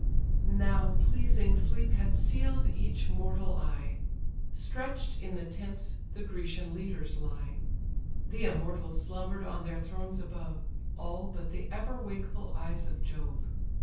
Now pleasing sleep had seal'd each mortal eye, Stretch'd in the tents the Grecian leaders lie: The immortals slumber'd on their thrones above; All, but the ever wakeful eyes of Jove.